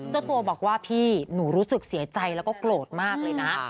เจ้าตัวบอกว่าพี่หนูรู้สึกเสียใจแล้วก็โกรธมากเลยนะ